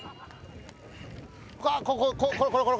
うわっこここれこれこれ！